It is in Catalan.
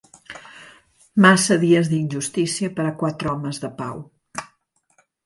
Massa dies d'injustícia per a quatre homes de pau.